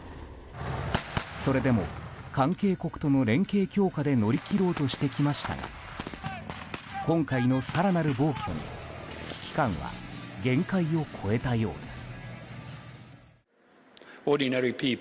それでも関係国との連携強化で乗り切ろうとしてきましたが今回の更なる暴挙に危機感は限界を超えたようです。